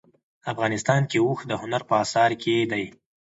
افغانستان کې اوښ د هنر په اثار کې دي.